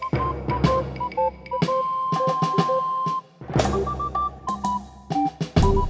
siap satu komandan assalamualaikum